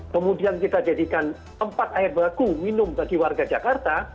kemudian kita jadikan tempat air baku minum bagi warga jakarta